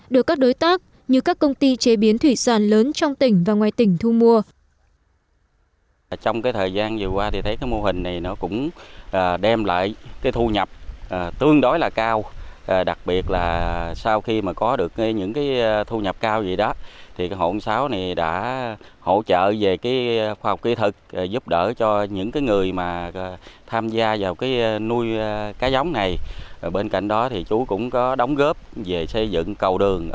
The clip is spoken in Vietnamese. được các đối tác như các công ty chế biến thủy sản lớn trong tỉnh và ngoài tỉnh thu mua